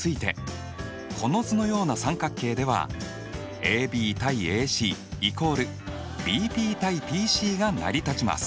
この図のような三角形ではＡＢ：ＡＣ＝ＢＰ：ＰＣが成り立ちます。